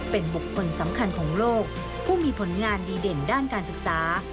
เป็นบุคคลสำคัญของโลกผู้มีผลงานดีเด่นด้านการศึกษา